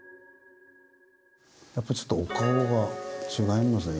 やっぱちょっとお顔が違いますね